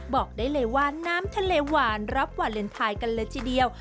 บอกได้เลยว่าน้ำทะเลหวานรับวาเลนไทยกันเลยทีเดียว